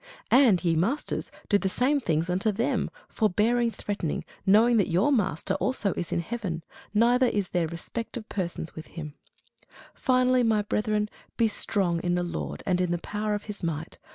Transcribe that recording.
And, ye masters, do the same things unto them, forbearing threatening: knowing that your Master also is in heaven; neither is there respect of persons with him. Finally, my brethren, be strong in the Lord, and in the power of his might.